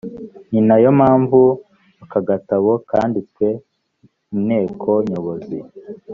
ni na yo mpamvu aka gatabo kanditswe inteko nyobozi